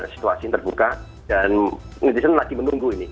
situasi yang terbuka dan netizen lagi menunggu ini